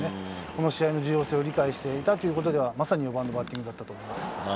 この試合の重要性を理解していたということでは、まさに４番のバッティングだったと思います。